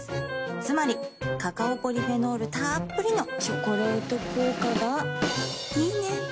つまりカカオポリフェノールたっぷりの「チョコレート効果」がいいね。